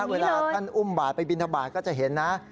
เวลาท่านอุ้มบาทไปบินทบาทก็จะเห็นนะ